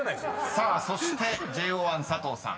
［さあそしてＪＯ１佐藤さん］